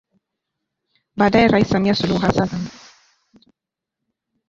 Baadae Rais Samia Suluhu Hassan amerejea nyumbani saa nane za mchana majira ya Rwanda